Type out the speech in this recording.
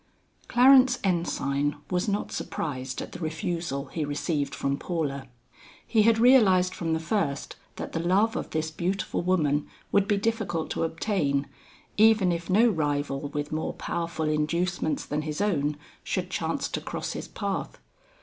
Clarence Ensign was not surprised at the refusal he received from Paula. He had realized from the first that the love of this beautiful woman would be difficult to obtain, even if no rival with more powerful inducements than his own, should chance to cross his path.